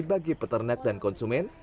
bagi peternak dan konsumen